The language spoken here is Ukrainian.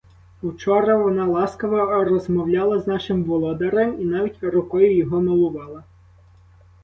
Вчора вона ласкаво розмовляла з нашим володарем і навіть рукою його милувала!